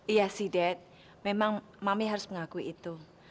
iya sih dad memang mami harus mengakui itu